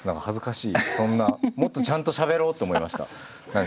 もっとちゃんとしゃべろうって思いました何か。